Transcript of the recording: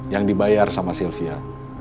yang dibayar sama sylvia